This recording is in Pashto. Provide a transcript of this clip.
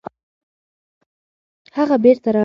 هغه بېرته راغی.